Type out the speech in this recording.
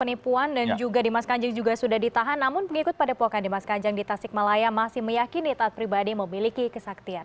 penipuan dan juga dimas kanjeng juga sudah ditahan namun pengikut padepokan dimas kanjeng di tasikmalaya masih meyakini taat pribadi memiliki kesaktian